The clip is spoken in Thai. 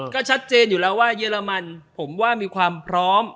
ก็ชัดเจนอยู่แล้วว่าเยอรมันผมว่ามีความพร้อม